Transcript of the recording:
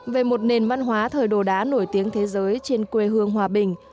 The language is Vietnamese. về một nền văn hóa thời đồ đá nổi tiếng thế giới trên quê hương hòa bình